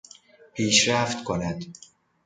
پیشرفت کند